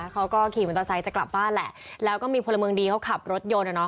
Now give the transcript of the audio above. เขาก็ขี่มอเตอร์ไซค์จะกลับบ้านแหละแล้วก็มีพลเมืองดีเขาขับรถยนต์